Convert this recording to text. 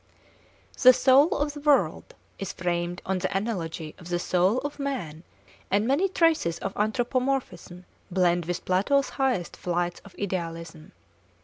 The soul of the world is framed on the analogy of the soul of man, and many traces of anthropomorphism blend with Plato's highest flights of idealism.